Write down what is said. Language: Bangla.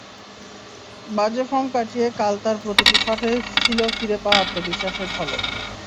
বাজে ফর্ম কাটিয়ে কাল তাঁর প্রতিটি শটেই ছিল ফিরে পাওয়া আত্মবিশ্বাসের ঝলক।